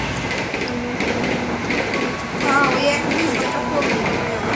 কেননা, তাদের আলিমদেরকে ঐ যুগে জাদুকর বলে আখ্যায়িত করা হতো।